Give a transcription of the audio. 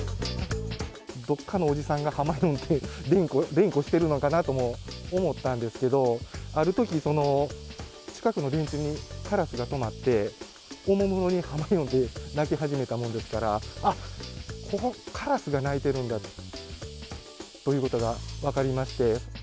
どこかのおじさんがはまよんって連呼してるのかなとも思ったんですけど、あるとき、近くの電柱にカラスが止まって、おもむろに、はまよんって鳴き始めたものですから、あっ、カラスが鳴いてるんだということが分かりまして。